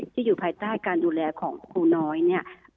ที่อยู่ภายใต้การดูแลของคุณน้อย